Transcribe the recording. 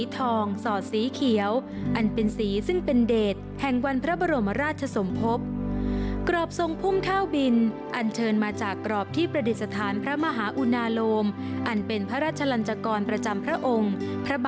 ติดตามได้จากรายงานค่ะ